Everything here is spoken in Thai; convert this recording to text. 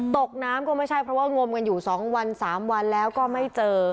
ตกน้ำก็ไม่ใช่เพราะว่างมกันอยู่๒วัน๓วันแล้วก็ไม่เจอ